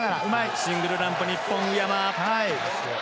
シングルランプ、日本、宇山。